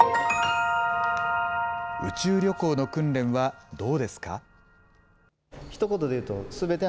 宇宙旅行の訓練はどうですか？